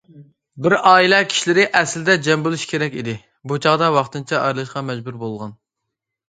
بىر ئائىلە كىشىلىرى ئەسلىدە جەم بولۇشى كېرەك ئىدى، بۇ چاغدا ۋاقتىنچە ئايرىلىشقا مەجبۇر بولغان.